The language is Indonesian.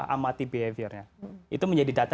amati behaviornya itu menjadi data